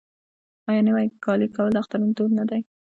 آیا نوی کالی کول د اختر دود نه دی؟